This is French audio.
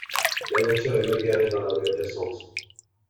La voiture est mal garée dans la rue adjacente